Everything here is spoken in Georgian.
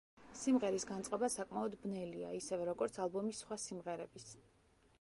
სიმღერის განწყობა საკმაოდ ბნელია, ისევე როგორც ალბომის სხვა სიმღერების.